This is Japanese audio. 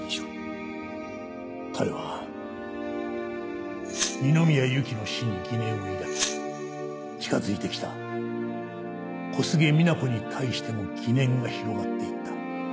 彼は二宮ゆきの死に疑念を抱き近づいてきた小菅みな子に対しても疑念が広がっていった。